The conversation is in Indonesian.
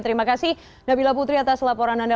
terima kasih nabila putri atas laporan anda